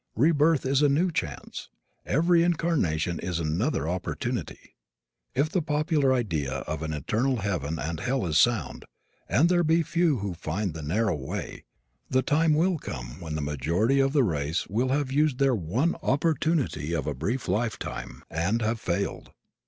Rebirth is a new chance. Every incarnation is another opportunity. If the popular idea of an eternal heaven and hell is sound, and there be few who find the "narrow way," the time will come when the majority of the race will have used their one opportunity of a brief lifetime, and have failed.